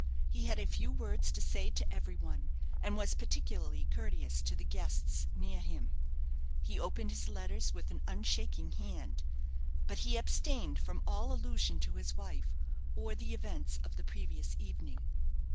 He had a few words to say to every one; and was particularly courteous to the guests near him. He opened his letters with an unshaking hand. But he abstained from all allusion to his wife, or the events of the previous evening.